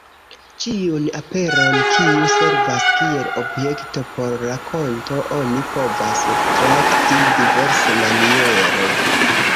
Ĉiun aperon, kiu servas kiel objekto por rakonto, oni povas trakti diversmaniere.